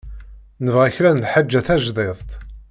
Nebɣa kra n lḥaǧa tajdidt.